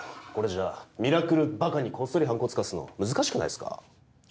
これじゃミラクルバカにこっそりはんこつかすの難しくないですか？